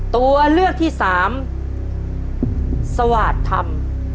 ตัวเลือกที่สามสวาสตร์ธรรม